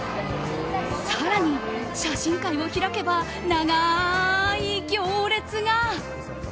更に写真会を開けば長い行列が。